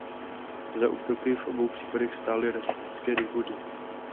Za útoky v obou případech stály rasistické důvody.